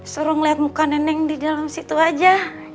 suruh ngelihat muka neneng di dalam situ aja